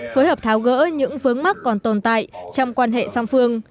phối hợp tháo gỡ những vướng mắc còn tồn tại trong quan hệ song phương